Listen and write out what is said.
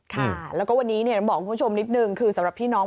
ค่ะแล้วก็วันนี้บอกคุณผู้ชมนิดนึงคือสำหรับพี่น้อง